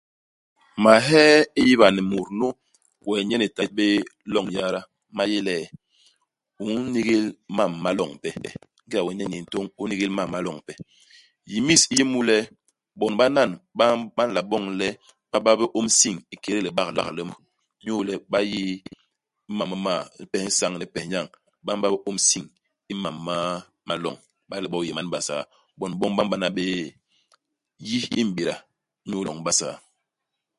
Mahee i biiba ni mut nu we ni nye ni ta bé loñ yada ma yé le, u n'nigil mam ma loñ ipe ; ingéda we ni nye ni yé ntôñ, u n'nigil mam ma loñ ipe. Yimis i yé mu le bon banan ba ba nla boñ le ba ba bé ôm-siñ ikédé libak li Mbog, inyu le ba yii i mam m'ma, i pes i isañ ni i pes i nyañ. Ba m'ba bé ôm-siñ i mam ma ma loñ. Iba le bo u yé man Basaa, bon boñ ba m'bana bé yi i i m'béda inyu loñ i Basaa.